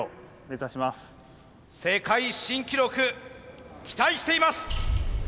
世界新記録期待しています！